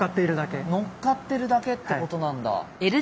のっかってるだけってことなんだ。